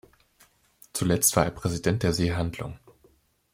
Zuletzt war er Präsident der Seehandlung.